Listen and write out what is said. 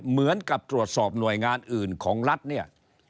เหมือนกับตรวจสอบหน่วยงานอื่นของรัฐเนี่ย